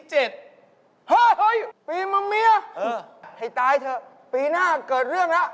เฮ้ยปีมะเมียให้ตายเถอะปีหน้าเกิดเรื่องแล้ว